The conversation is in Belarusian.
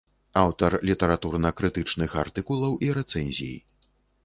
Аўтар літаратурна-крытычных артыкулаў і рэцэнзій.